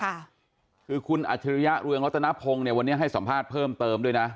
ค่ะคือคุณอัจฉริยะเรืองรัตนพงศ์เนี่ยวันนี้ให้สัมภาษณ์เพิ่มเติมด้วยนะ